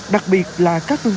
đặc biệt là các tương tự